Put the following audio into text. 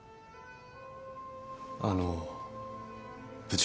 あの部長。